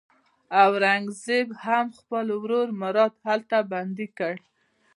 اورنګزېب هم خپل ورور مراد هلته بندي کړ.